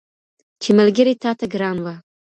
چي ملګري تاته ګران وه